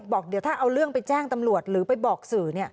บอกเดี๋ยวถ้าเอาเรื่องไปแจ้งตำรวจหรือไปบอกสื่อ